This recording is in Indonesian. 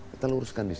kita luruskan disitu